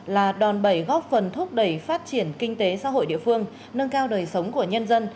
là đòn bẩy góp phần thúc đẩy phát triển kinh tế xã hội địa phương nâng cao đời sống của nhân dân